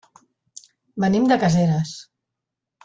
Venim de Caseres.